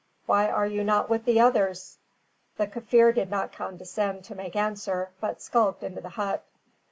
Why are you not with the others?" The Kaffir did not condescend to make answer, but skulked into the hut.